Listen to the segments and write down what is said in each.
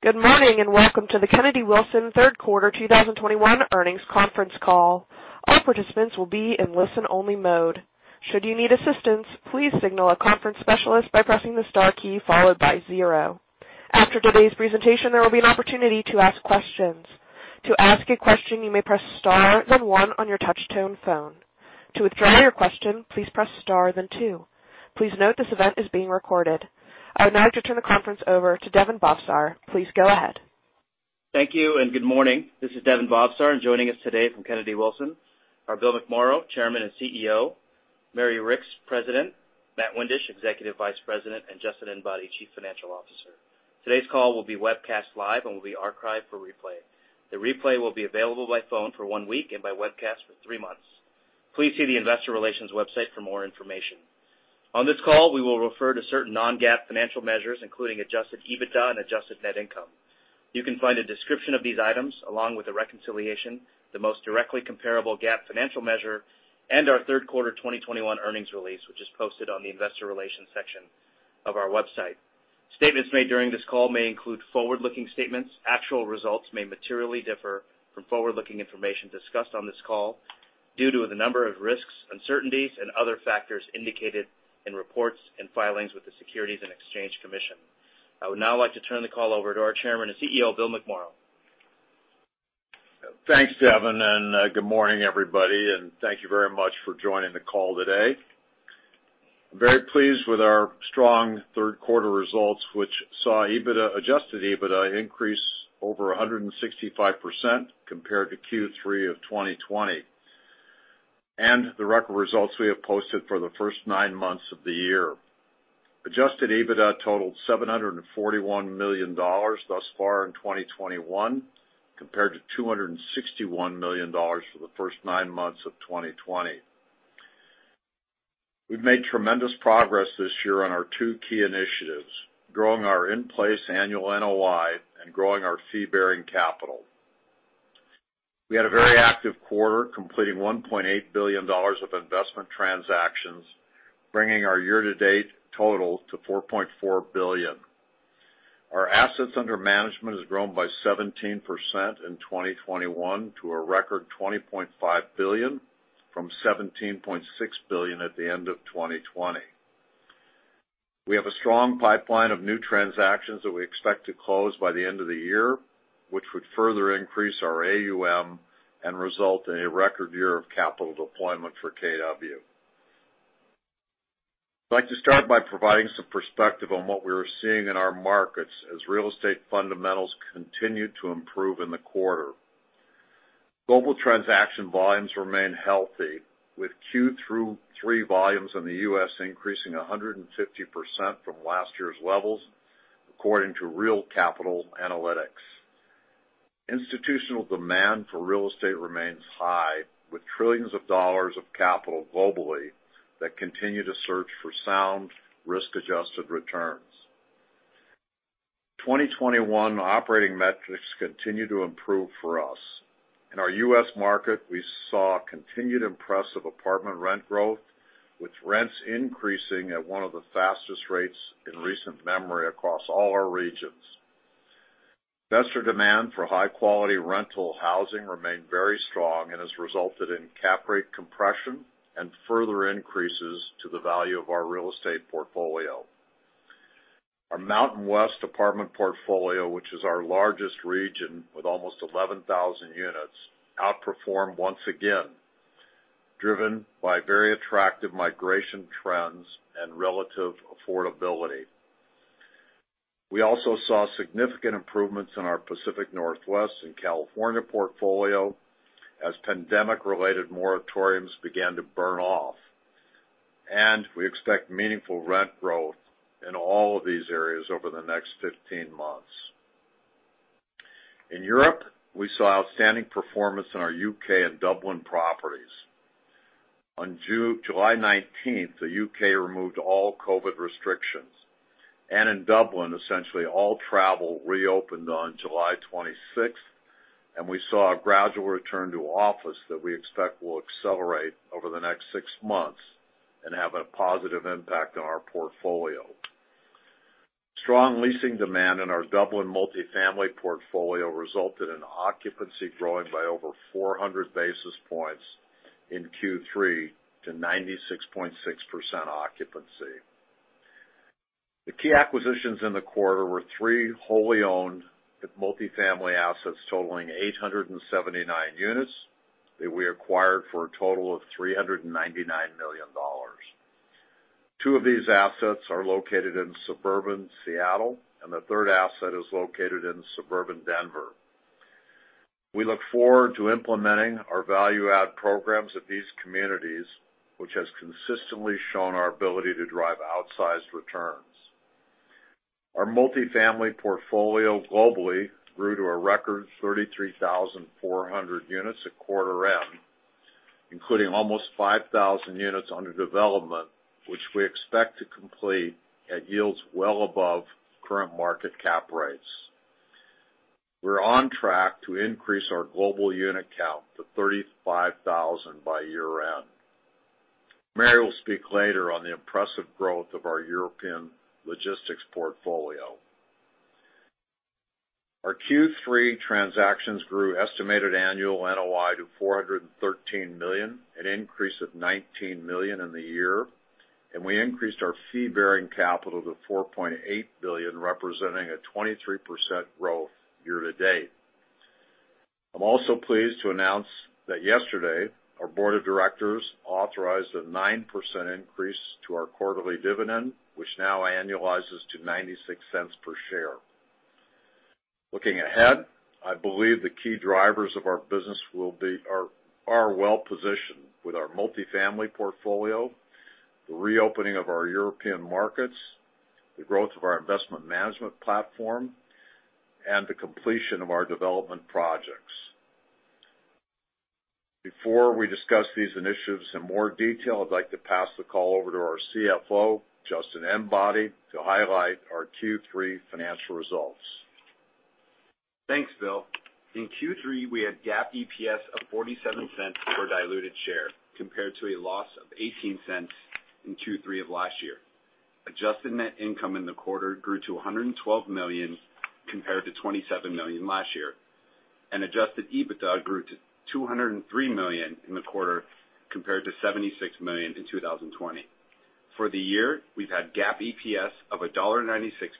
Good morning, and welcome to the Kennedy Wilson third quarter 2021 earnings conference call. All participants will be in listen-only mode. Should you need assistance, please signal a conference specialist by pressing the star key followed by zero. After today's presentation, there will be an opportunity to ask questions. To ask a question, you may press star then one on your touchtone phone. To withdraw your question, please press star then two. Please note this event is being recorded. I would now like to turn the conference over to Daven Bhavsar. Please go ahead. Thank you and good morning. This is Daven Bhavsar, and joining us today from Kennedy Wilson are Bill McMorrow, Chairman and CEO, Mary Ricks, President, Matt Windisch, Executive Vice President, and Justin Enbody, Chief Financial Officer. Today's call will be webcast live and will be archived for replay. The replay will be available by phone for one week and by webcast for three months. Please see the investor relations website for more information. On this call, we will refer to certain non-GAAP financial measures, including adjusted EBITDA and adjusted net income. You can find a description of these items along with the reconciliation, the most directly comparable GAAP financial measure, and our third quarter 2021 earnings release, which is posted on the investor relations section of our website. Statements made during this call may include forward-looking statements. Actual results may materially differ from forward-looking information discussed on this call due to the number of risks, uncertainties and other factors indicated in reports and filings with the Securities and Exchange Commission. I would now like to turn the call over to our Chairman and CEO, Bill McMorrow. Thanks, Daven, and good morning, everybody, and thank you very much for joining the call today. I'm very pleased with our strong third quarter results, which saw EBITDA, adjusted EBITDA increase over 165% compared to Q3 of 2020. The record results we have posted for the first nine months of the year, adjusted EBITDA totaled $741 million thus far in 2021, compared to $261 million for the first nine months of 2020. We've made tremendous progress this year on our two key initiatives, growing our in-place annual NOI and growing our fee-bearing capital. We had a very active quarter, completing $1.8 billion of investment transactions, bringing our year-to-date total to $4.4 billion. Our assets under management has grown by 17% in 2021 to a record $20.5 billion, from $17.6 billion at the end of 2020. We have a strong pipeline of new transactions that we expect to close by the end of the year, which would further increase our AUM and result in a record year of capital deployment for KW. I'd like to start by providing some perspective on what we were seeing in our markets as real estate fundamentals continued to improve in the quarter. Global transaction volumes remain healthy, with Q3 volumes in the U.S. increasing 150% from last year's levels, according to Real Capital Analytics. Institutional demand for real estate remains high, with trillions of dollars of capital globally that continue to search for sound risk-adjusted returns. 2021 operating metrics continue to improve for us. In our U.S. market, we saw continued impressive apartment rent growth, with rents increasing at one of the fastest rates in recent memory across all our regions. Investor demand for high-quality rental housing remained very strong and has resulted in cap rate compression and further increases to the value of our real estate portfolio. Our Mountain West apartment portfolio, which is our largest region with almost 11,000 units, outperformed once again, driven by very attractive migration trends and relative affordability. We also saw significant improvements in our Pacific Northwest and California portfolio as pandemic-related moratoriums began to burn off. We expect meaningful rent growth in all of these areas over the next 15 months. In Europe, we saw outstanding performance in our U.K. and Dublin properties. On July 19, the U.K. removed all COVID restrictions. In Dublin, essentially all travel reopened on July 26, and we saw a gradual return to office that we expect will accelerate over the next six months and have a positive impact on our portfolio. Strong leasing demand in our Dublin multifamily portfolio resulted in occupancy growing by over 400 basis points in Q3 to 96.6% occupancy. The key acquisitions in the quarter were three wholly owned multifamily assets totaling 879 units that we acquired for a total of $399 million. Two of these assets are located in suburban Seattle, and the third asset is located in suburban Denver. We look forward to implementing our value add programs at these communities, which has consistently shown our ability to drive outsized returns. Our multifamily portfolio globally grew to a record 33,400 units at quarter end, including almost 5,000 units under development, which we expect to complete at yields well above current market cap rates. We're on track to increase our global unit count to 35,000 by year-end. Mary will speak later on the impressive growth of our European logistics portfolio. Our Q3 transactions grew estimated annual NOI to $413 million, an increase of $19 million in the year, and we increased our fee-bearing capital to $4.8 billion, representing a 23% growth year-to-date. I'm also pleased to announce that yesterday, our board of directors authorized a 9% increase to our quarterly dividend, which now annualizes to $0.96 per share. Looking ahead, I believe the key drivers of our business will be... We are well-positioned with our multifamily portfolio, the reopening of our European markets, the growth of our investment management platform, and the completion of our development projects. Before we discuss these initiatives in more detail, I'd like to pass the call over to our CFO, Justin Enbody, to highlight our Q3 financial results. Thanks, Bill. In Q3, we had GAAP EPS of $0.47 per diluted share compared to a loss of $0.18 in Q3 of last year. Adjusted net income in the quarter grew to $112 million compared to $27 million last year. Adjusted EBITDA grew to $203 million in the quarter, compared to $76 million in 2020. For the year, we've had GAAP EPS of $1.96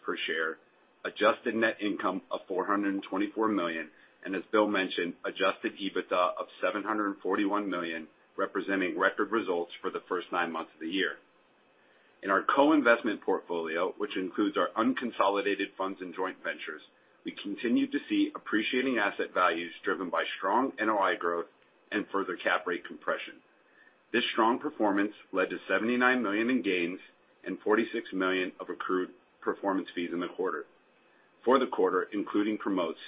per share, adjusted net income of $424 million, and as Bill mentioned, adjusted EBITDA of $741 million, representing record results for the first nine months of the year. In our co-investment portfolio, which includes our unconsolidated funds and joint ventures, we continue to see appreciating asset values driven by strong NOI growth and further cap rate compression. This strong performance led to $79 million in gains and $46 million of accrued performance fees in the quarter. For the quarter, including promotes,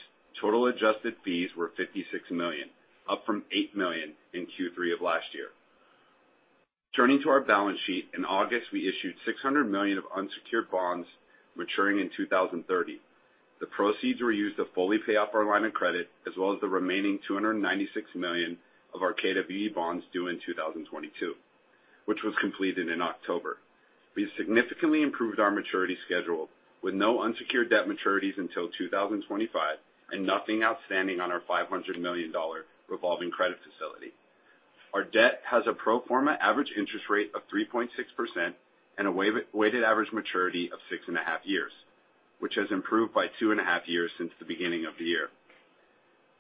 total adjusted fees were $56 million, up from $8 million in Q3 of last year. Turning to our balance sheet, in August, we issued $600 million of unsecured bonds maturing in 2030. The proceeds were used to fully pay off our line of credit, as well as the remaining $296 million of our KWE bonds due in 2022, which was completed in October. We significantly improved our maturity schedule with no unsecured debt maturities until 2025 and nothing outstanding on our $500 million revolving credit facility. Our debt has a pro forma average interest rate of 3.6% and a weighted average maturity of six and a half years, which has improved by two and a half years since the beginning of the year.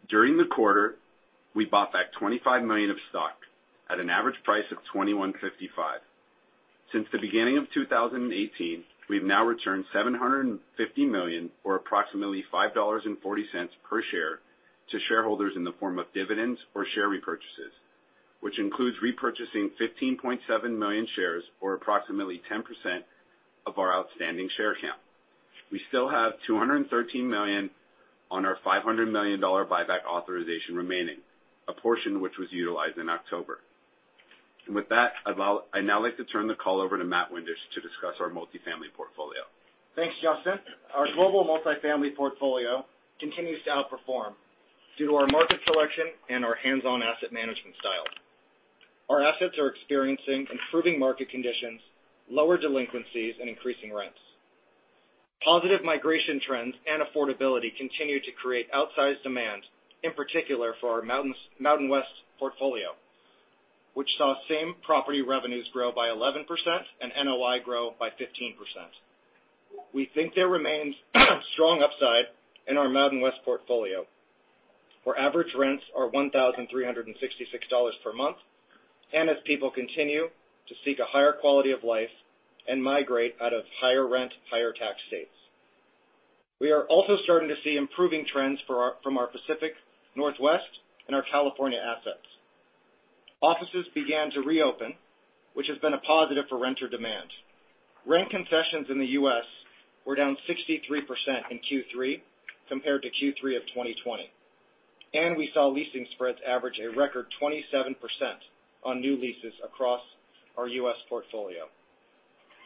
During the quarter, we bought back $25 million of stock at an average price of $21.55. Since the beginning of 2018, we've now returned $750 million or approximately $5.40 per share to shareholders in the form of dividends or share repurchases, which includes repurchasing 15.7 million shares or approximately 10% of our outstanding share count. We still have $213 million on our $500 million buyback authorization remaining, a portion which was utilized in October. With that, I'd now like to turn the call over to Matt Windisch to discuss our multifamily portfolio. Thanks, Justin. Our global multi-family portfolio continues to outperform due to our market selection and our hands-on asset management style. Our assets are experiencing improving market conditions, lower delinquencies, and increasing rents. Positive migration trends and affordability continue to create outsized demand, in particular for our Mountain West portfolio, which saw same property revenues grow by 11% and NOI grow by 15%. We think there remains strong upside in our Mountain West portfolio, where average rents are $1,366 per month, and as people continue to seek a higher quality of life and migrate out of higher rent, higher tax states. We are also starting to see improving trends from our Pacific Northwest and our California assets. Offices began to reopen, which has been a positive for renter demand. Rent concessions in the U.S. were down 63% in Q3 compared to Q3 2020, and we saw leasing spreads average a record 27% on new leases across our U.S. portfolio.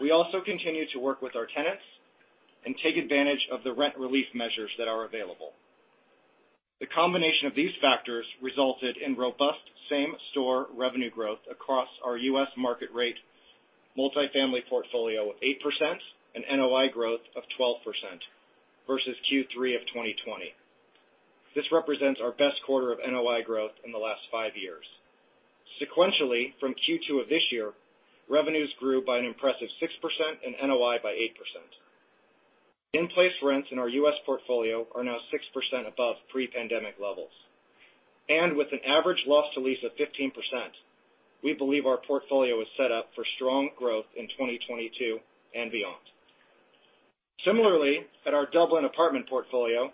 We also continue to work with our tenants and take advantage of the rent relief measures that are available. The combination of these factors resulted in robust same-store revenue growth across our U.S. market rate multifamily portfolio of 8% and NOI growth of 12% versus Q3 2020. This represents our best quarter of NOI growth in the last five years. Sequentially, from Q2 of this year, revenues grew by an impressive 6% and NOI by 8%. In-place rents in our U.S. portfolio are now 6% above pre-pandemic levels. With an average loss to lease of 15%, we believe our portfolio is set up for strong growth in 2022 and beyond. Similarly, at our Dublin apartment portfolio,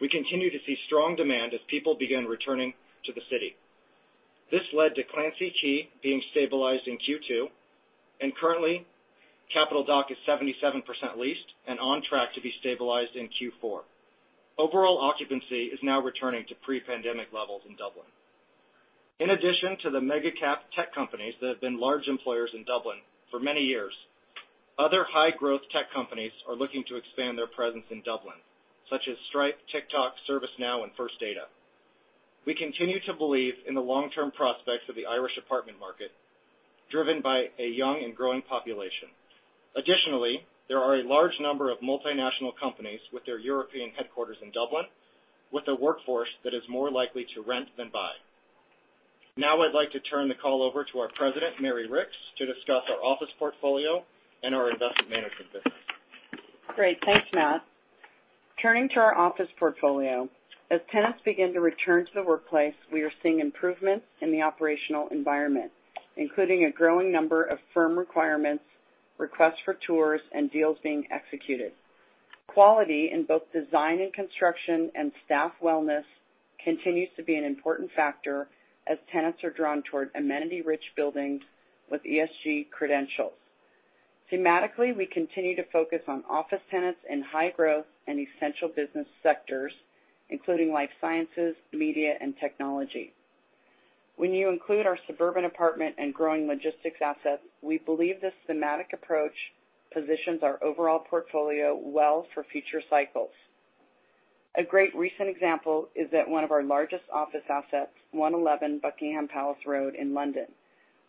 we continue to see strong demand as people begin returning to the city. This led to Clancy Quay being stabilized in Q2, and currently, Capital Dock is 77% leased and on track to be stabilized in Q4. Overall occupancy is now returning to pre-pandemic levels in Dublin. In addition to the mega cap tech companies that have been large employers in Dublin for many years, other high-growth tech companies are looking to expand their presence in Dublin, such as Stripe, TikTok, ServiceNow, and First Data. We continue to believe in the long-term prospects of the Irish apartment market, driven by a young and growing population. Additionally, there are a large number of multinational companies with their European headquarters in Dublin with a workforce that is more likely to rent than buy. Now I'd like to turn the call over to our President, Mary Ricks, to discuss our office portfolio and our investment management business. Great. Thanks, Matt. Turning to our office portfolio. As tenants begin to return to the workplace, we are seeing improvements in the operational environment, including a growing number of firm requirements, requests for tours, and deals being executed. Quality in both design and construction and staff wellness continues to be an important factor as tenants are drawn toward amenity-rich buildings with ESG credentials. Thematically, we continue to focus on office tenants in high growth and essential business sectors, including life sciences, media, and technology. When you include our suburban apartment and growing logistics assets, we believe this thematic approach positions our overall portfolio well for future cycles. A great recent example is at one of our largest office assets, 111 Buckingham Palace Road in London,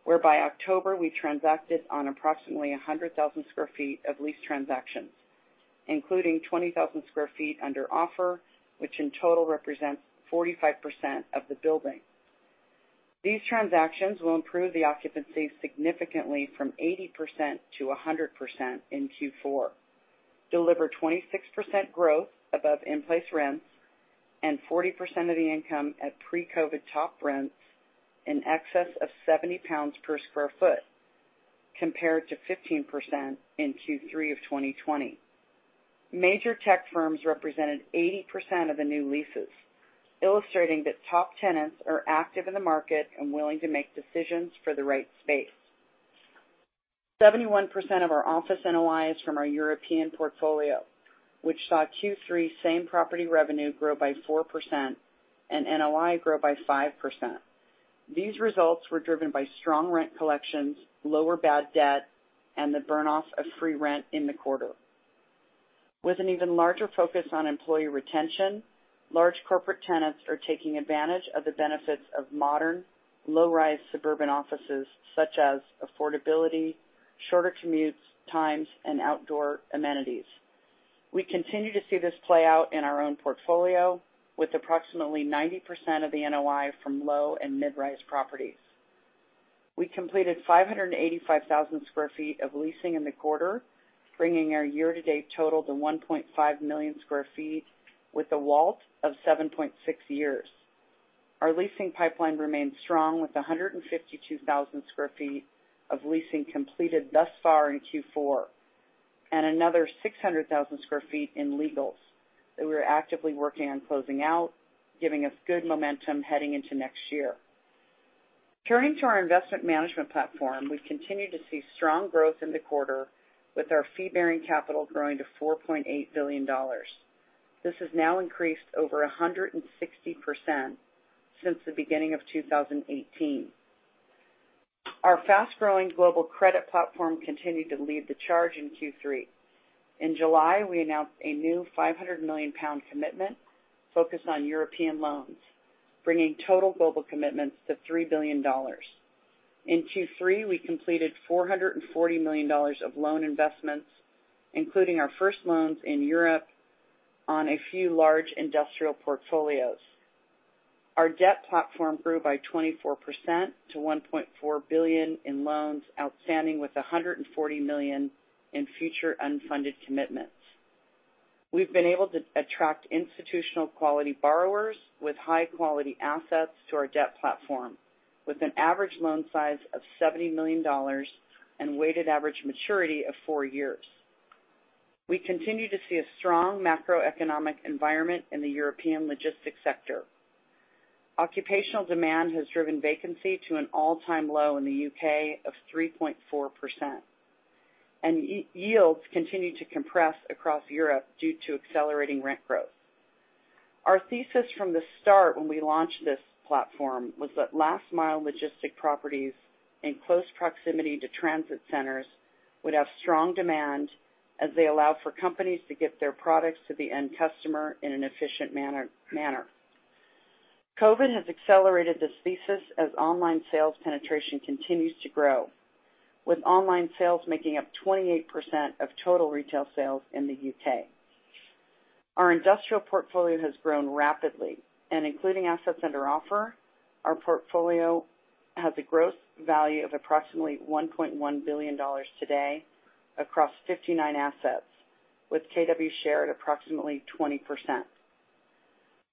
where by October, we transacted on approximately 100,000 sq ft of lease transactions, including 20,000 sq ft under offer, which in total represents 45% of the building. These transactions will improve the occupancy significantly from 80%-100% in Q4, deliver 26% growth above in-place rents, and 40% of the income at pre-COVID top rents in excess of 70 pounds per sq ft, compared to 15% in Q3 of 2020. Major tech firms represented 80% of the new leases, illustrating that top tenants are active in the market and willing to make decisions for the right space. 71% of our office NOI is from our European portfolio, which saw Q3 same property revenue grow by 4% and NOI grow by 5%. These results were driven by strong rent collections, lower bad debt, and the burn-off of free rent in the quarter. With an even larger focus on employee retention, large corporate tenants are taking advantage of the benefits of modern low-rise suburban offices such as affordability, shorter commute times, and outdoor amenities. We continue to see this play out in our own portfolio with approximately 90% of the NOI from low- and mid-rise properties. We completed 585,000 sq ft of leasing in the quarter, bringing our year-to-date total to 1.5 million sq ft with a WALT of 7.6 years. Our leasing pipeline remains strong with 152,000 sq ft of leasing completed thus far in Q4, and another 600,000 sq ft in legals that we're actively working on closing out, giving us good momentum heading into next year. Turning to our investment management platform, we've continued to see strong growth in the quarter with our fee-bearing capital growing to $4.8 billion. This has now increased over 160% since the beginning of 2018. Our fast-growing global credit platform continued to lead the charge in Q3. In July, we announced a new 500 million pound commitment focused on European loans, bringing total global commitments to $3 billion. In Q3, we completed $440 million of loan investments, including our first loans in Europe on a few large industrial portfolios. Our debt platform grew by 24% to $1.4 billion in loans outstanding with $140 million in future unfunded commitments. We've been able to attract institutional quality borrowers with high-quality assets to our debt platform with an average loan size of $70 million and weighted average maturity of four years. We continue to see a strong macroeconomic environment in the European logistics sector. Occupational demand has driven vacancy to an all-time low in the U.K. of 3.4%, and yields continue to compress across Europe due to accelerating rent growth. Our thesis from the start when we launched this platform was that last mile logistic properties in close proximity to transit centers would have strong demand as they allow for companies to get their products to the end customer in an efficient manner. COVID has accelerated this thesis as online sales penetration continues to grow, with online sales making up 28% of total retail sales in the U.K. Our industrial portfolio has grown rapidly. Including assets under offer, our portfolio has a gross value of approximately $1.1 billion today across 59 assets, with KW share at approximately 20%.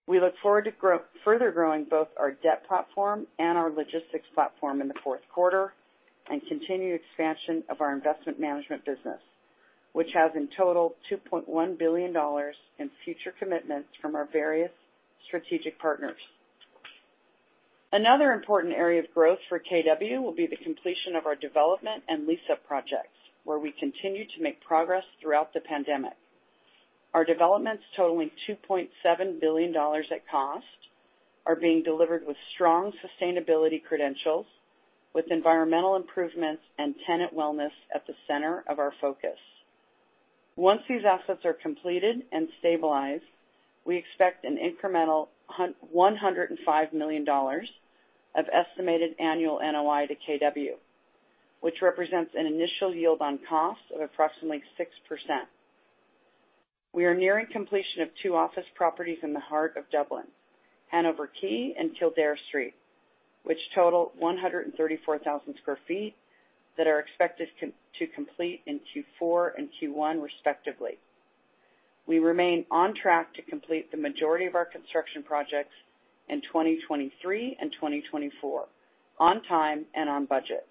We look forward to further growing both our debt platform and our logistics platform in the fourth quarter and continued expansion of our investment management business, which has in total $2.1 billion in future commitments from our various strategic partners. Another important area of growth for KW will be the completion of our development and lease-up projects, where we continue to make progress throughout the pandemic. Our developments totaling $2.7 billion at cost are being delivered with strong sustainability credentials with environmental improvements and tenant wellness at the center of our focus. Once these assets are completed and stabilized, we expect an incremental $105 million of estimated annual NOI to KW, which represents an initial yield on cost of approximately 6%. We are nearing completion of two office properties in the heart of Dublin, Hanover Quay and Kildare Street, which total 134,000 sq ft that are expected to complete in Q4 and Q1 respectively. We remain on track to complete the majority of our construction projects in 2023 and 2024 on time and on budget.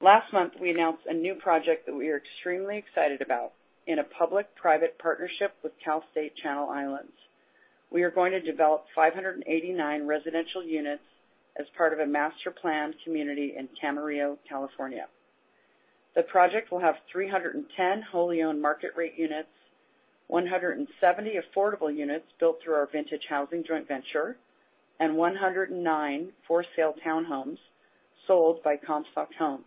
Last month, we announced a new project that we are extremely excited about in a public-private partnership with Cal State Channel Islands. We are going to develop 589 residential units as part of a master planned community in Camarillo, California. The project will have 310 wholly owned market rate units, 170 affordable units built through our Vintage Housing joint venture, and 109 for sale townhomes sold by Comstock Homes.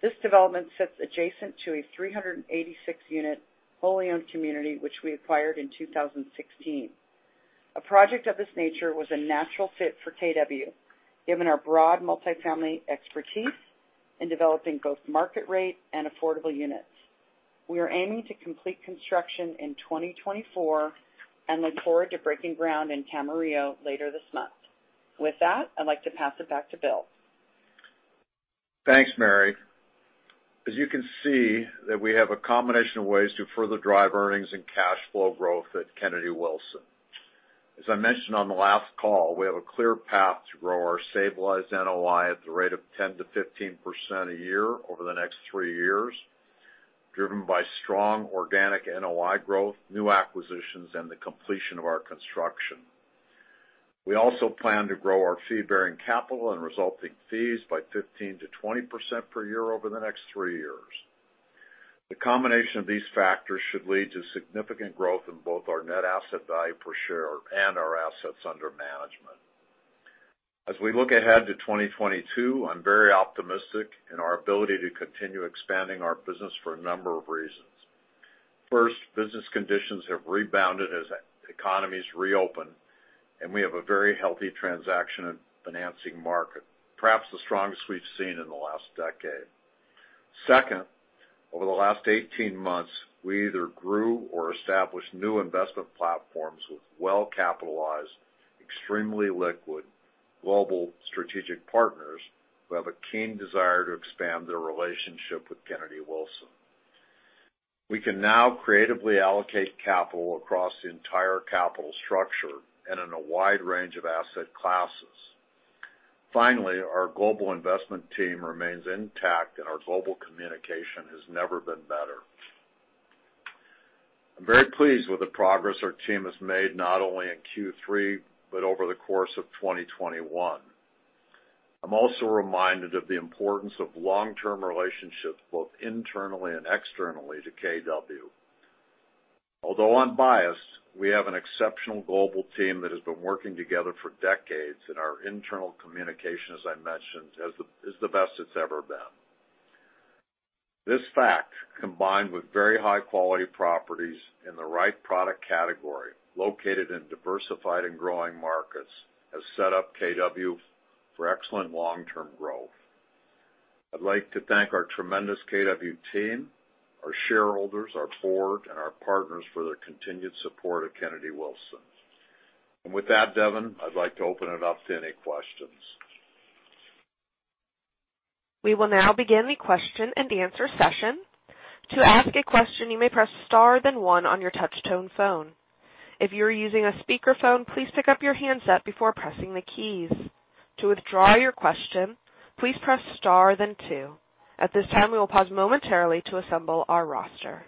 This development sits adjacent to a 386 unit wholly owned community which we acquired in 2016. A project of this nature was a natural fit for KW, given our broad multifamily expertise in developing both market rate and affordable units. We are aiming to complete construction in 2024 and look forward to breaking ground in Camarillo later this month. With that, I'd like to pass it back to Bill. Thanks, Mary. As you can see, we have a combination of ways to further drive earnings and cash flow growth at Kennedy Wilson. As I mentioned on the last call, we have a clear path to grow our stabilized NOI at the rate of 10%-15% a year over the next three years, driven by strong organic NOI growth, new acquisitions, and the completion of our construction. We also plan to grow our fee-bearing capital and resulting fees by 15%-20% per year over the next three years. The combination of these factors should lead to significant growth in both our net asset value per share and our assets under management. As we look ahead to 2022, I'm very optimistic in our ability to continue expanding our business for a number of reasons. First, business conditions have rebounded as economies reopen, and we have a very healthy transaction and financing market, perhaps the strongest we've seen in the last decade. Second, over the last 18 months, we either grew or established new investment platforms with well-capitalized, extremely liquid, global strategic partners who have a keen desire to expand their relationship with Kennedy Wilson. We can now creatively allocate capital across the entire capital structure and in a wide range of asset classes. Finally, our global investment team remains intact, and our global communication has never been better. I'm very pleased with the progress our team has made, not only in Q3, but over the course of 2021. I'm also reminded of the importance of long-term relationships, both internally and externally to KW. Although I'm biased, we have an exceptional global team that has been working together for decades, and our internal communication, as I mentioned, is the best it's ever been. This fact, combined with very high quality properties in the right product category, located in diversified and growing markets, has set up KW for excellent long-term growth. I'd like to thank our tremendous KW team, our shareholders, our board, and our partners for their continued support of Kennedy Wilson. With that, Daven, I'd like to open it up to any questions. We will now begin the question and answer session. To ask a question, you may press star then one on your touch tone phone. If you're using a speakerphone, please pick up your handset before pressing the keys. To withdraw your question, please press star then two. At this time, we will pause momentarily to assemble our roster.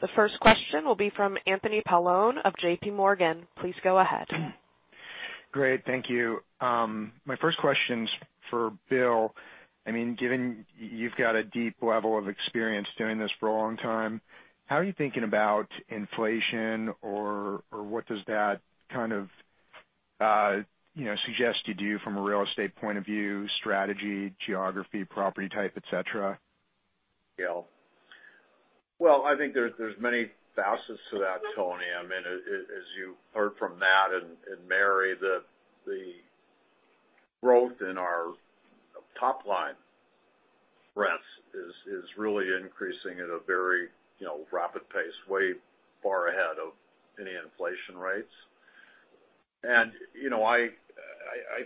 The first question will be from Anthony Paolone of JPMorgan. Please go ahead. Great. Thank you. My first question's for Bill. I mean, given you've got a deep level of experience doing this for a long time, how are you thinking about inflation or what does that kind of, you know, suggest you do from a real estate point of view, strategy, geography, property type, et cetera? Yeah. Well, I think there's many facets to that, Tony. I mean, as you heard from Matt and Mary, the growth in our top line rents is really increasing at a very rapid pace, way far ahead of any inflation rates. You know, I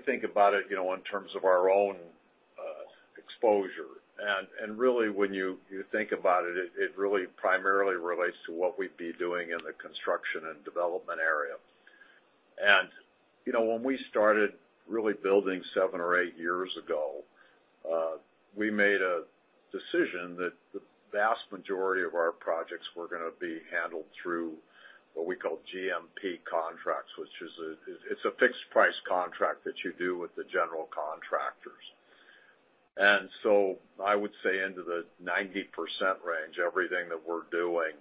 think about it in terms of our own exposure. Really, when you think about it really primarily relates to what we'd be doing in the construction and development area. You know, when we started really building seven or eight years ago, we made a decision that the vast majority of our projects were gonna be handled through what we call GMP contracts, which is a fixed price contract that you do with the general contractors. I would say into the 90% range, everything that we're doing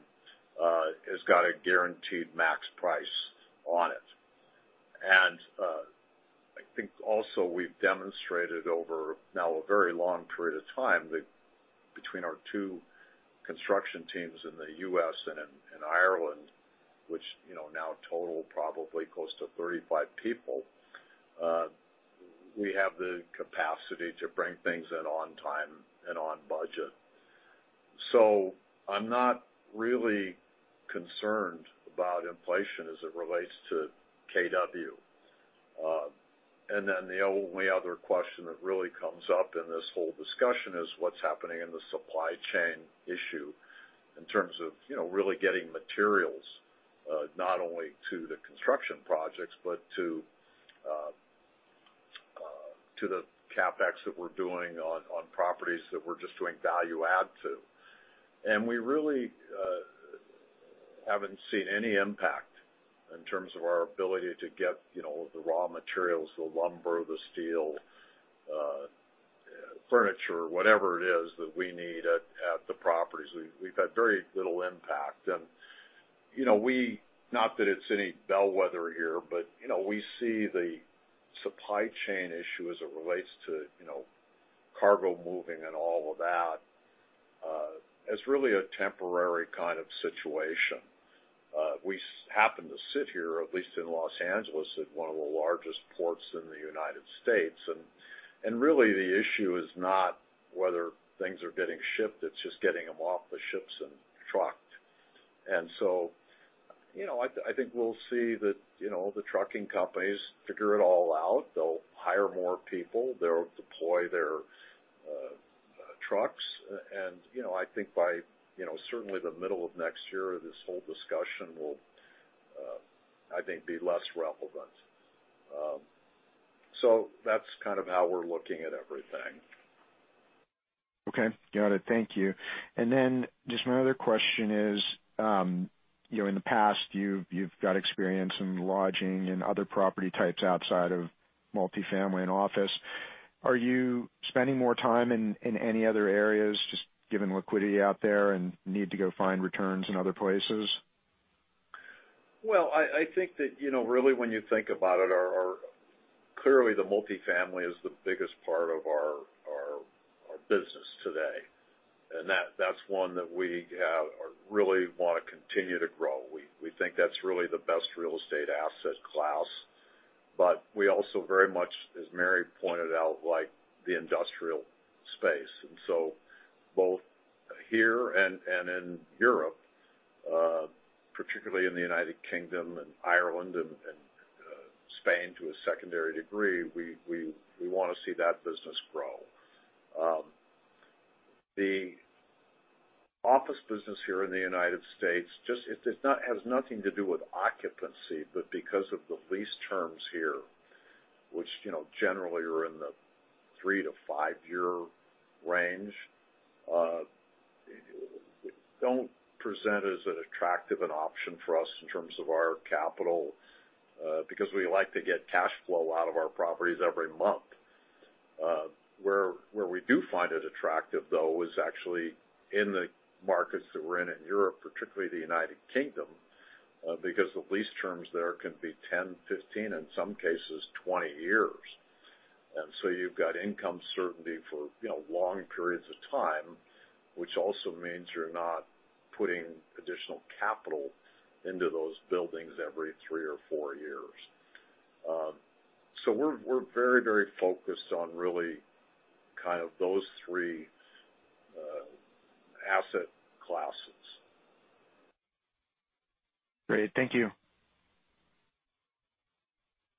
has got a guaranteed maximum price on it. Also, we've demonstrated over now a very long period of time that between our two construction teams in the U.S. and in Ireland, which, you know, now total probably close to 35 people, we have the capacity to bring things in on time and on budget. I'm not really concerned about inflation as it relates to KW. And then the only other question that really comes up in this whole discussion is what's happening in the supply chain issue in terms of, you know, really getting materials, not only to the construction projects, but to the CapEx that we're doing on properties that we're just doing value add to. We really haven't seen any impact in terms of our ability to get, you know, the raw materials, the lumber, the steel, furniture, whatever it is that we need at the properties. We've had very little impact. You know, not that it's any bellwether here, but, you know, we see the supply chain issue as it relates to, you know, cargo moving and all of that, as really a temporary kind of situation. We happen to sit here, at least in Los Angeles, at one of the largest ports in the United States. Really, the issue is not whether things are getting shipped, it's just getting them off the ships and trucked. You know, I think we'll see that, you know, the trucking companies figure it all out. They'll hire more people. They'll deploy their trucks. You know, I think by, you know, certainly the middle of next year, this whole discussion will, I think, be less relevant. That's kind of how we're looking at everything. Okay. Got it. Thank you. Just my other question is, you know, in the past, you've got experience in lodging and other property types outside of multifamily and office. Are you spending more time in any other areas, just given liquidity out there and need to go find returns in other places? Well, I think that, you know, really when you think about it, clearly, the multifamily is the biggest part of our business today, and that's one that we really wanna continue to grow. We think that's really the best real estate asset class. We also very much, as Mary pointed out, like the industrial space. Both here and in Europe, particularly in the United Kingdom and Ireland and Spain to a secondary degree, we wanna see that business grow. The office business here in the United States has nothing to do with occupancy, but because of the lease terms here, which, you know, generally are in the three to five-year range, don't present as attractive an option for us in terms of our capital, because we like to get cash flow out of our properties every month. Where we do find it attractive, though, is actually in the markets that we're in Europe, particularly the United Kingdom, because the lease terms there can be 10, 15, in some cases, 20 years. You've got income certainty for, you know, long periods of time, which also means you're not putting additional capital into those buildings every three or four years. We're very, very focused on really kind of those three asset classes. Great. Thank you.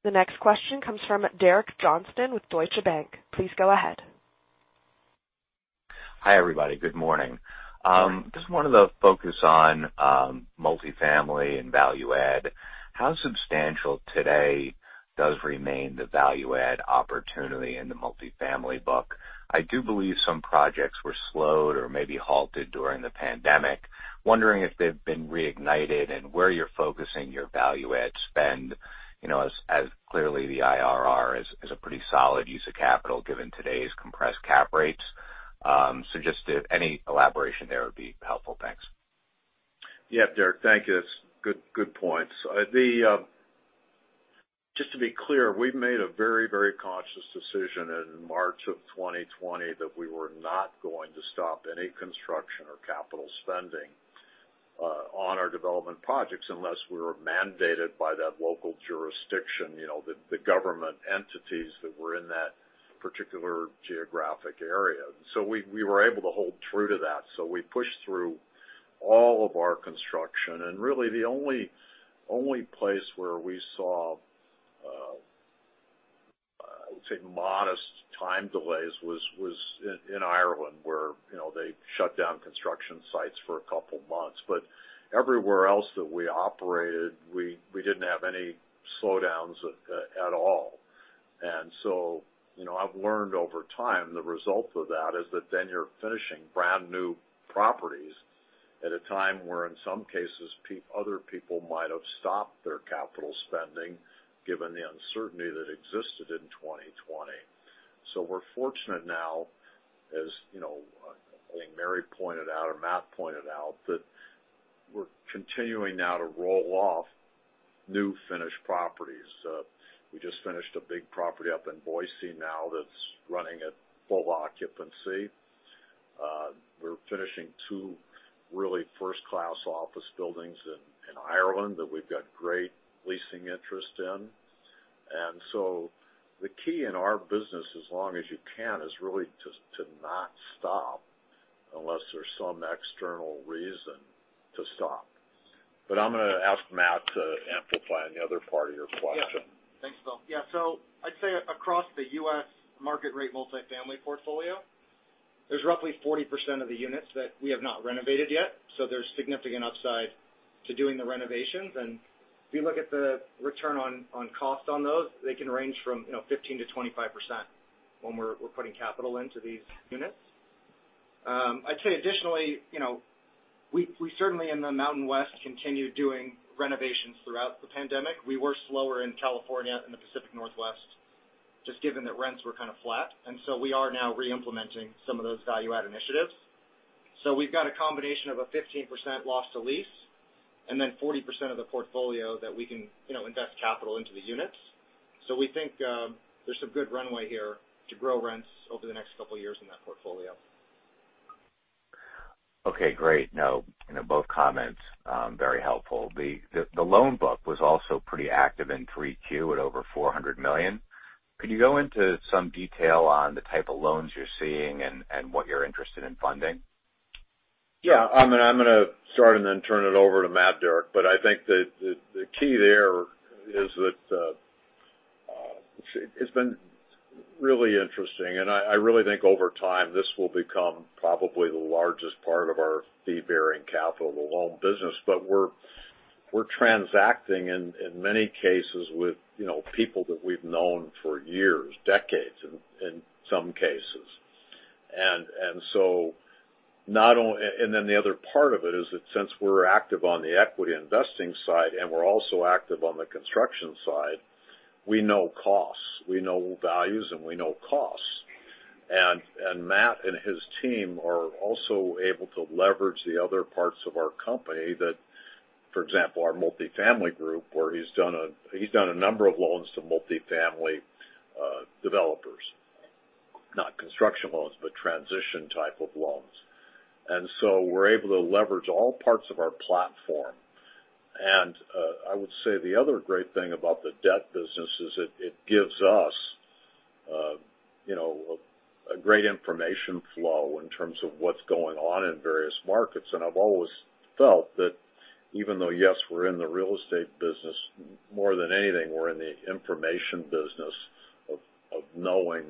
The next question comes from Derek Johnston with Deutsche Bank. Please go ahead. Hi, everybody. Good morning. Just wanted to focus on multifamily and value add. How substantial today does remain the value add opportunity in the multifamily book? I do believe some projects were slowed or maybe halted during the pandemic. Wondering if they've been reignited and where you're focusing your value add spend, you know, as clearly the IRR is a pretty solid use of capital given today's compressed cap rates. Just if any elaboration there would be helpful. Thanks. Yeah, Derek. Thank you. That's good points. Just to be clear, we've made a very conscious decision in March of 2020 that we were not going to stop any construction or capital spending on our development projects unless we were mandated by that local jurisdiction, you know, the government entities that were in that particular geographic area. We were able to hold true to that. We pushed through all of our construction. Really the only place where we saw I would say modest time delays was in Ireland, where, you know, they shut down construction sites for a couple months. Everywhere else that we operated, we didn't have any slowdowns at all. You know, I've learned over time the result of that is that then you're finishing brand-new properties at a time where in some cases other people might have stopped their capital spending given the uncertainty that existed in 2020. We're fortunate now, as, you know, I think Mary pointed out or Matt pointed out, that we're continuing now to roll off new finished properties. We just finished a big property up in Boise now that's running at full occupancy. We're finishing two really first-class office buildings in Ireland that we've got great leasing interest in. The key in our business, as long as you can, is really just to not stop unless there's some external reason to stop. I'm gonna ask Matt to amplify on the other part of your question. Yeah. Thanks, Bill. Yeah. I'd say across the U.S. market rate multifamily portfolio, there's roughly 40% of the units that we have not renovated yet, so there's significant upside to doing the renovations. If you look at the return on cost on those, they can range from, you know, 15%-25% when we're putting capital into these units. I'd say additionally, you know, we certainly in the Mountain West continued doing renovations throughout the pandemic. We were slower in California and the Pacific Northwest, just given that rents were kind of flat, and so we are now re-implementing some of those value add initiatives. We've got a combination of a 15% loss to lease and then 40% of the portfolio that we can, you know, invest capital into the units. We think there's some good runway here to grow rents over the next couple of years in that portfolio. Okay, great. No, you know, both comments very helpful. The loan book was also pretty active in 3Q at over $400 million. Could you go into some detail on the type of loans you're seeing and what you're interested in funding? Yeah. I'm gonna start and then turn it over to Matt, Derek. I think the key there is that it's been really interesting, and I really think over time, this will become probably the largest part of our fee-bearing capital, the loan business. We're transacting in many cases with, you know, people that we've known for years, decades, in some cases. Then the other part of it is that since we're active on the equity investing side and we're also active on the construction side, we know costs. We know values, and we know costs. Matt and his team are also able to leverage the other parts of our company that, for example, our multifamily group, where he's done a number of loans to multifamily developers. Not construction loans, but transition type of loans. We're able to leverage all parts of our platform. I would say the other great thing about the debt business is it gives us you know, a great information flow in terms of what's going on in various markets. I've always felt that even though, yes, we're in the real estate business more than anything, we're in the information business of knowing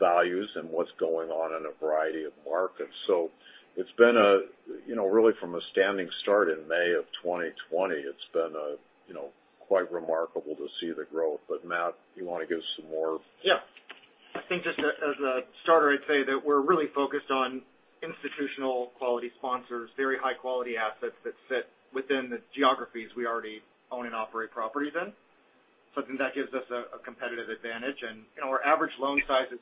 values and what's going on in a variety of markets. It's been a you know, really from a standing start in May of 2020, quite remarkable to see the growth. Matt, you wanna give some more? Yeah. I think just as a starter, I'd say that we're really focused on institutional quality sponsors, very high-quality assets that fit within the geographies we already own and operate properties in. Something that gives us a competitive advantage. You know, our average loan size is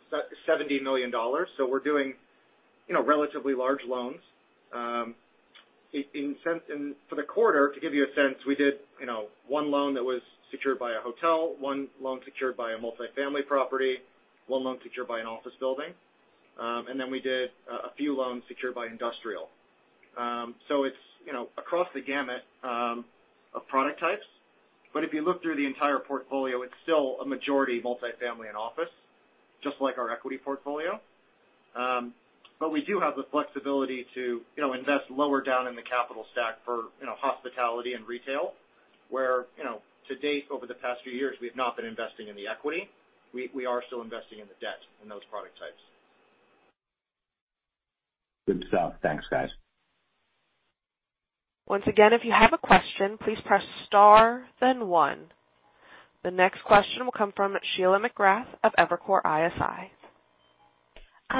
$70 million, so we're doing, you know, relatively large loans. In that sense, for the quarter, to give you a sense, we did, you know, one loan that was secured by a hotel, one loan secured by a multifamily property, one loan secured by an office building, and then we did a few loans secured by industrial. So it's, you know, across the gamut of product types, but if you look through the entire portfolio, it's still a majority multifamily and office, just like our equity portfolio. We do have the flexibility to, you know, invest lower down in the capital stack for, you know, hospitality and retail, where, you know, to date, over the past few years, we have not been investing in the equity. We are still investing in the debt in those product types. Good stuff. Thanks, guys. The next question will come from Sheila McGrath of Evercore ISI.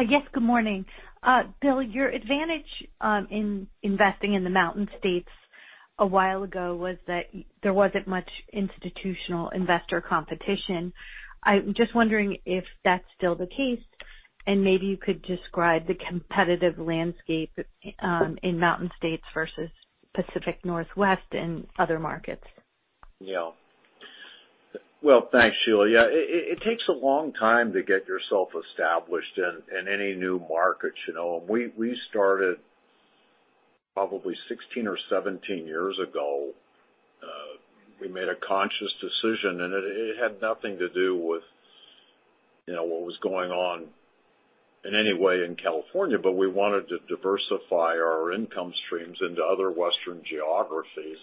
Yes, good morning. Bill, your advantage in investing in the Mountain States a while ago was that there wasn't much institutional investor competition. I'm just wondering if that's still the case, and maybe you could describe the competitive landscape in Mountain States versus Pacific Northwest and other markets? Yeah. Well, thanks, Sheila. Yeah, it takes a long time to get yourself established in any new market, you know. We started probably 16 or 17 years ago. We made a conscious decision, and it had nothing to do with, you know, what was going on in any way in California, but we wanted to diversify our income streams into other Western geographies.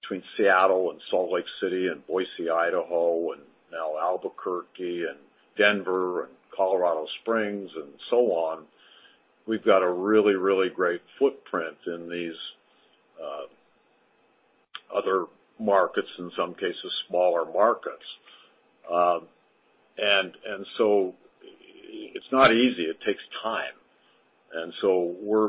Between Seattle and Salt Lake City and Boise, Idaho, and now Albuquerque and Denver and Colorado Springs and so on, we've got a really great footprint in these other markets, in some cases, smaller markets. It's not easy. It takes time. We're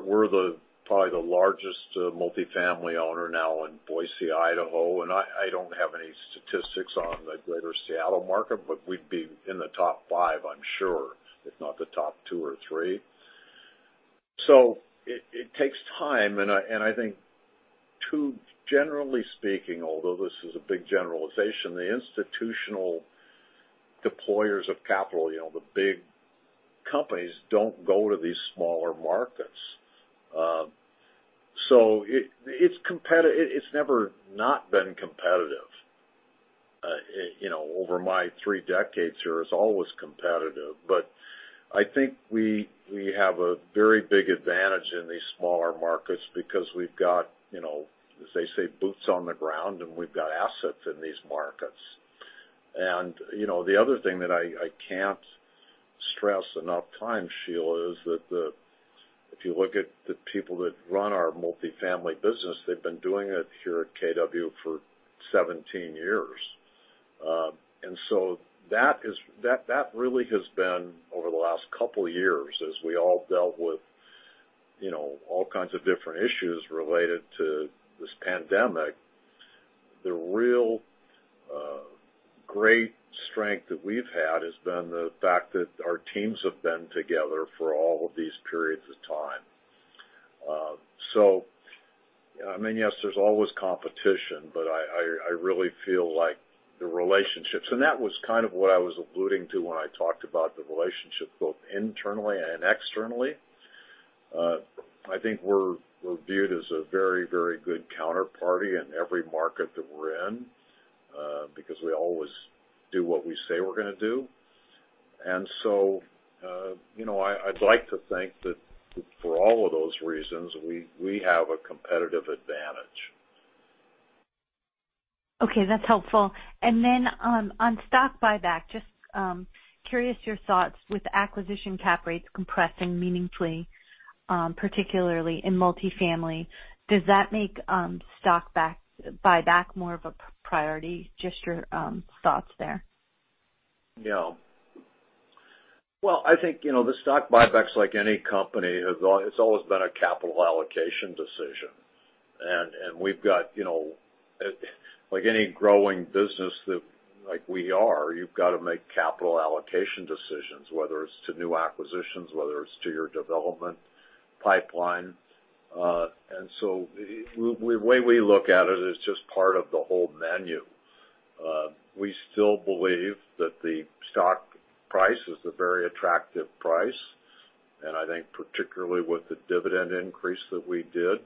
probably the largest multifamily owner now in Boise, Idaho. I don't have any statistics on the Greater Seattle market, but we'd be in the top five, I'm sure, if not the top two or three. It takes time. I think too, generally speaking, although this is a big generalization, the institutional deployers of capital, you know, the big companies don't go to these smaller markets. It's competitive. It's never not been competitive. You know, over my three decades here, it's always competitive. I think we have a very big advantage in these smaller markets because we've got, you know, as they say, boots on the ground, and we've got assets in these markets. You know, the other thing that I can't stress enough times, Sheila, is that the- If you look at the people that run our multifamily business, they've been doing it here at KW for 17 years. That really has been over the last couple of years as we all dealt with, you know, all kinds of different issues related to this pandemic, the real great strength that we've had has been the fact that our teams have been together for all of these periods of time. I mean, yes, there's always competition, but I really feel like the relationships that was kind of what I was alluding to when I talked about the relationship, both internally and externally. I think we're viewed as a very, very good counterparty in every market that we're in, because we always do what we say we're gonna do. You know, I'd like to think that for all of those reasons, we have a competitive advantage. Okay, that's helpful. On stock buyback, just curious your thoughts with acquisition cap rates compressing meaningfully, particularly in multifamily, does that make stock buyback more of a priority? Just your thoughts there. Yeah. Well, I think, you know, the stock buybacks, like any company, it's always been a capital allocation decision. We've got, you know, like any growing business that like we are, you've got to make capital allocation decisions, whether it's to new acquisitions, whether it's to your development pipeline. The way we look at it is just part of the whole menu. We still believe that the stock price is a very attractive price, and I think particularly with the dividend increase that we did,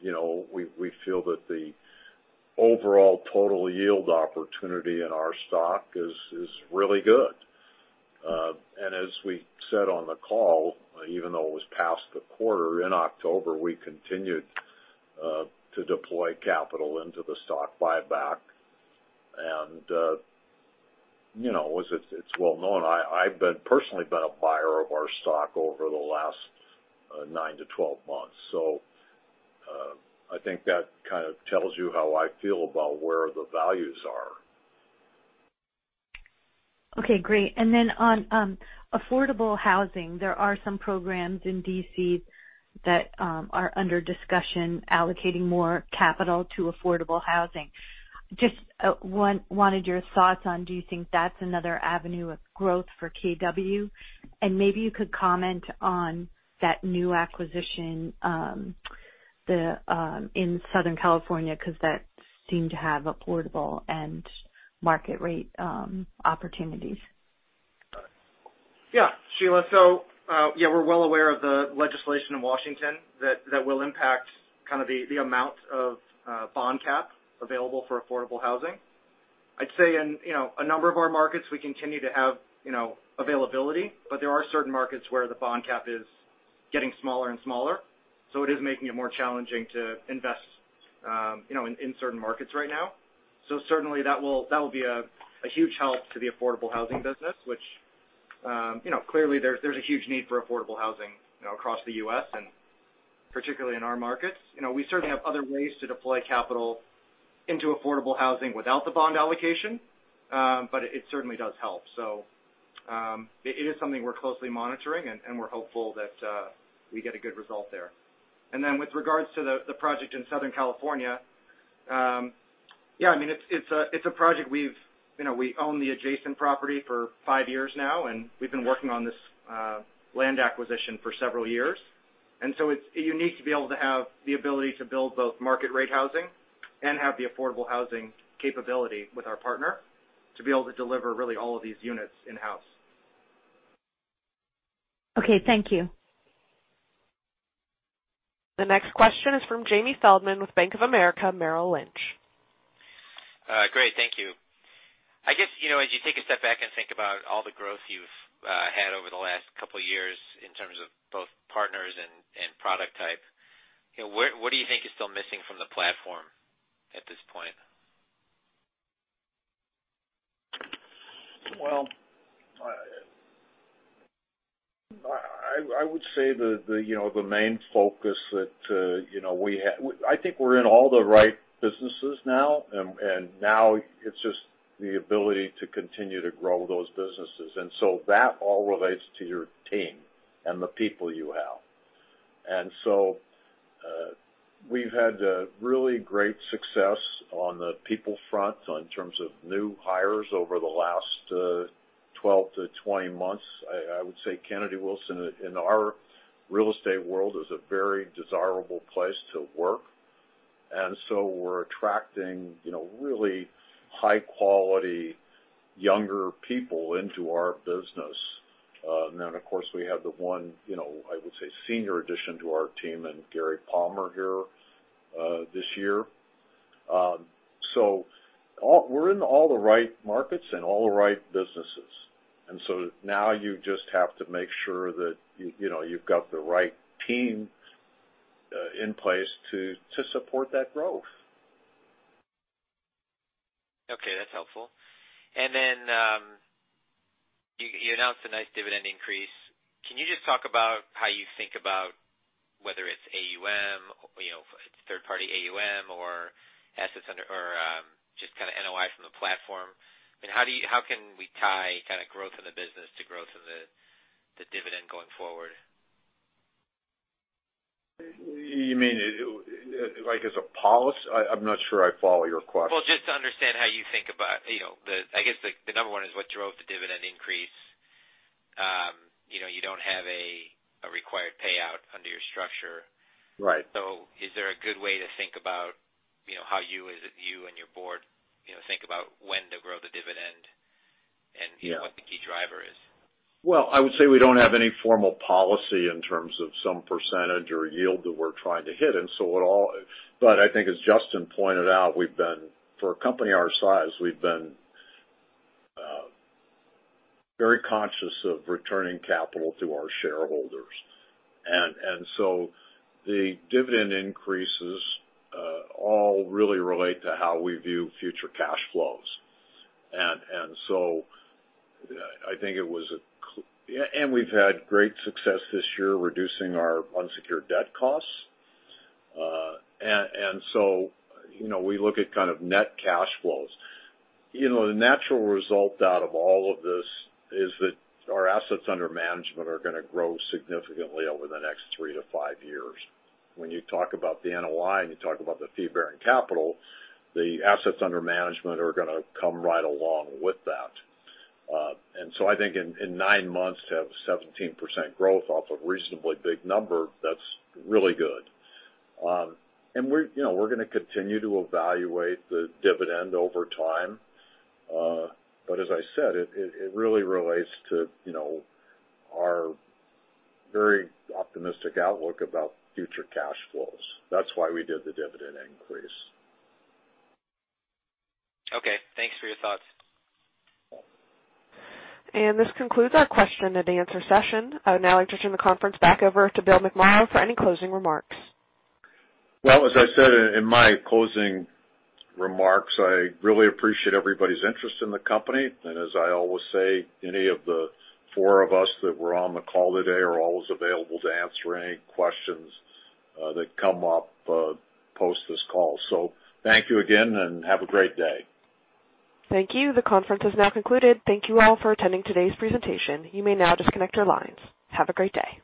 you know, we feel that the overall total yield opportunity in our stock is really good. As we said on the call, even though it was past the quarter in October, we continued to deploy capital into the stock buyback. You know, as it's well known, I've personally been a buyer of our stock over the last nine to 12 months. I think that kind of tells you how I feel about where the values are. Okay, great. On affordable housing, there are some programs in D.C. that are under discussion allocating more capital to affordable housing. Just wanted your thoughts on, do you think that's another avenue of growth for KW? Maybe you could comment on that new acquisition in Southern California, 'cause that seemed to have affordable and market rate opportunities. Yeah, Sheila. So, yeah, we're well aware of the legislation in Washington that will impact kind of the amount of bond cap available for affordable housing. I'd say in you know a number of our markets, we continue to have you know availability, but there are certain markets where the bond cap is getting smaller and smaller. It is making it more challenging to invest you know in certain markets right now. Certainly that will be a huge help to the affordable housing business, which you know clearly there's a huge need for affordable housing you know across the U.S. and particularly in our markets. You know, we certainly have other ways to deploy capital into affordable housing without the bond allocation, but it certainly does help. It is something we're closely monitoring, and we're hopeful that we get a good result there. Then with regards to the project in Southern California, yeah, I mean, it's a project we've, you know, we own the adjacent property for five years now, and we've been working on this land acquisition for several years. It's unique to be able to have the ability to build both market rate housing and have the affordable housing capability with our partner to be able to deliver really all of these units in-house. Okay, thank you. The next question is from Jamie Feldman with Bank of America Merrill Lynch. Great. Thank you. I guess, you know, as you take a step back and think about all the growth you've had over the last couple of years in terms of both partners and product type, you know, what do you think is still missing from the platform at this point? I would say the main focus that you know we I think we're in all the right businesses now. Now it's just the ability to continue to grow those businesses. So that all relates to your team and the people you have. We've had really great success on the people front in terms of new hires over the last 12-20 months. I would say Kennedy Wilson in our real estate world is a very desirable place to work. We're attracting you know really high-quality younger people into our business. Then of course we have the one you know I would say senior addition to our team in Gary Palmer here this year. We're in all the right markets and all the right businesses. Now you just have to make sure that you know you've got the right team in place to support that growth. Okay, that's helpful. Then you announced a nice dividend increase. Can you just talk about how you think about whether it's AUM, you know, third-party AUM or just kinda NOI from the platform? I mean, how can we tie kinda growth in the business to growth in the dividend going forward? You mean, like as a policy? I'm not sure I follow your question. Well, just to understand how you think about, you know, the I guess the number one is what drove the dividend increase. You know, you don't have a required payout under your structure. Right. Is there a good way to think about, you know, how you have a view and your board, you know, think about when to grow the dividend and- Yeah. You know, what the key driver is? Well, I would say we don't have any formal policy in terms of some percentage or yield that we're trying to hit. I think as Justin pointed out, for a company our size, we've been very conscious of returning capital to our shareholders. The dividend increases all really relate to how we view future cash flows. We've had great success this year reducing our unsecured debt costs. You know, we look at kind of net cash flows. You know, the natural result out of all of this is that our assets under management are gonna grow significantly over the next three to five years. When you talk about the NOI and you talk about the fee-bearing capital, the assets under management are gonna come right along with that. I think in nine months, to have 17% growth off a reasonably big number, that's really good. We're, you know, gonna continue to evaluate the dividend over time. As I said, it really relates to, you know, our very optimistic outlook about future cash flows. That's why we did the dividend increase. Okay, thanks for your thoughts. This concludes our question and answer session. I would now like to turn the conference back over to Bill McMorrow for any closing remarks. Well, as I said in my closing remarks, I really appreciate everybody's interest in the company. As I always say, any of the four of us that were on the call today are always available to answer any questions that come up post this call. Thank you again, and have a great day. Thank you. The conference has now concluded. Thank you all for attending today's presentation. You may now disconnect your lines. Have a great day.